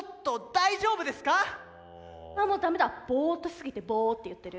あもうダメだボーっとしすぎて「ボー」って言ってる。